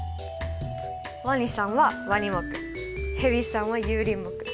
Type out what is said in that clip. ワニさんはワニ目ヘビさんは有鱗目。